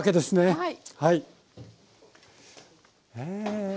はい。